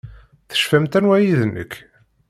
Tecfamt anwa ay d nekk?